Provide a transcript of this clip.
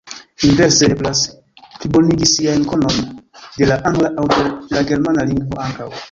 Inverse eblas plibonigi siajn konojn de la angla aŭ de la germana lingvo ankaŭ.